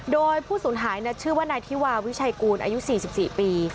โดยผู้สูญหายชื่อว่านายธิวาวิชัยกูลอายุ๔๔ปี